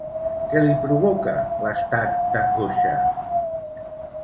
Què li provoca l'estat d'angoixa?